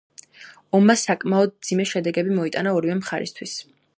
ომმა საკმაოდ მძიმე შედეგები მოიტანა ორივე მხარისათვის.